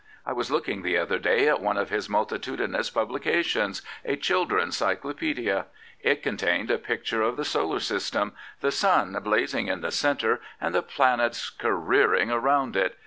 I was looking the other day at one of his multitudinous publications — a children's cyc^paedia. It contained a picture of the solar system, the sun blazing in the centre and the planets careering round it.